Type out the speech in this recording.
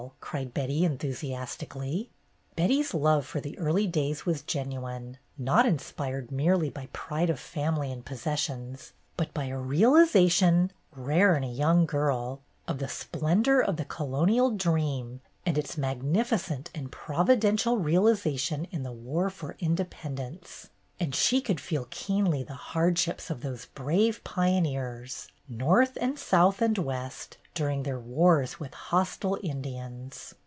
cried Betty, en thusiastically. Betty's love for the early days was genuine, not inspired merely by pride of family and possessions, but by a realization, rare in a young girl, of the splendor of the colonial dream and its magnificent and providential realization in the War for Independence; and she could feel keenly the hardships of those brave pioneers, north and south and west, during their wars with hostile Indians.